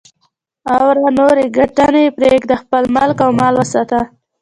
اواره نورې ګټنې پرېږده، خپل ملک او مال وساته.